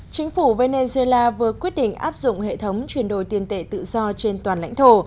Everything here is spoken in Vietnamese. chính phủ venezuela vừa quyết định áp dụng hệ thống chuyển đổi tiền tệ tự do trên toàn lãnh thổ